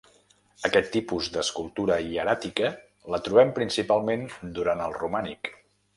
Aquest tipus d'escultura hieràtica, la trobem principalment durant el romànic.